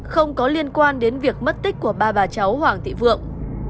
không có liên quan đến việc mất tích của ba bà cháu hoàng thị vượng